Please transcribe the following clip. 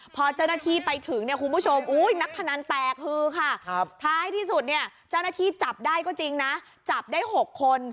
พอเจ้าหน้าที่ไปถึงเนี่ยคุณผู้ชมนักพนันแตกฮือค่ะท้ายที่สุดเนี่ยเจ้าหน้าที่จับได้ก็จริงนะจับได้๖คน